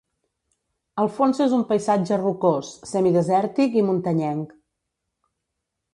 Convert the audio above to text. El fons és un paisatge rocós, semidesèrtic i muntanyenc.